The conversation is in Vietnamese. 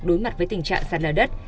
đối mặt với tình trạng sạt lở đất